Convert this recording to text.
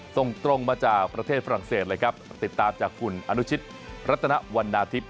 ส่งตรงมาจากประเทศฝรั่งเศสเลยครับติดตามจากคุณอนุชิตรัตนวันนาทิพย